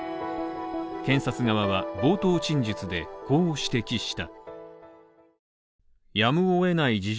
検察側は冒頭陳述で、こう指摘した。